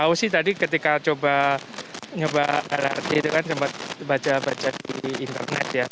tahu sih tadi ketika coba nyoba lrt itu kan sempat baca baca di internet ya